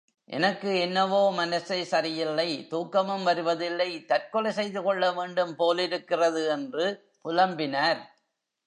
எனக்கு என்னவோ மனசே சரியில்லை தூக்கமும் வருவதில்லை தற்கொலை செய்து கொள்ள வேண்டும் போலிருக்கிறது என்று புலம்பினார்.